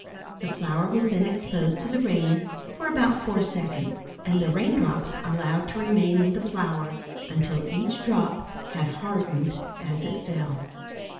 The flour was then exposed to the rain for about four seconds, and the raindrops allowed to remain in the flour until each drop had hardened as it fell.